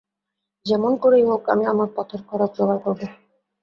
যেমন করেই হোক, আমি আমার পথের খরচ যোগাড় করব।